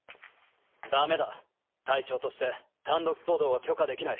ダメだ隊長として単独行動は許可できない。